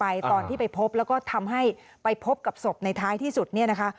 ตอนที่ไปพบแล้วก็ทำให้ไปพบกับศพในท้ายที่สุดเนี่ยนะคะ